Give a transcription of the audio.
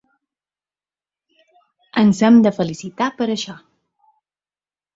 Ens hem de felicitar per això.